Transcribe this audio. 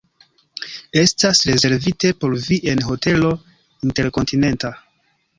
Estas rezervite por vi en Hotelo Interkontinenta!